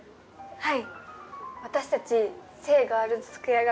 はい。